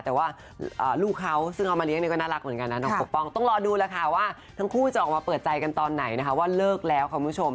แต่ว่าลูกเขาซึ่งเอามาเลี้ยเนี่ยก็น่ารักเหมือนกันนะน้องปกป้องต้องรอดูแล้วค่ะว่าทั้งคู่จะออกมาเปิดใจกันตอนไหนนะคะว่าเลิกแล้วค่ะคุณผู้ชม